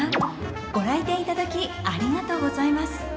ご来店いただきありがとうございます。